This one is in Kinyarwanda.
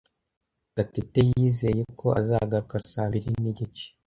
Gatete yizeye ko azagaruka saa mbiri nigice.